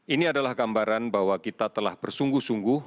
ini adalah gambaran bahwa kita telah bersungguh sungguh